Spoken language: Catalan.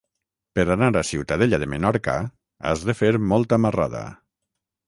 Per anar a Ciutadella de Menorca has de fer molta marrada.